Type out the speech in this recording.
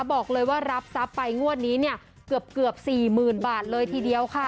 บอกเลยว่ารับทรัพย์ไปงวดนี้เนี่ยเกือบ๔๐๐๐บาทเลยทีเดียวค่ะ